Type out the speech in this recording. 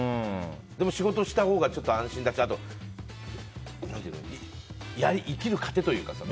でも、仕事したほうがちょっと安心だしあと、生きる糧というかさ。